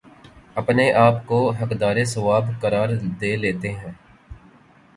اپنے آپ کو حقدار ثواب قرار دے لیتےہیں